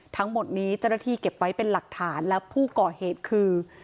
ทั้งหมดนี้เจ้าหน้าที่เก็บไว้เป็นหลักฐานแล้วผู้ก่อเหตุคือ